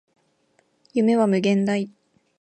夢は無限大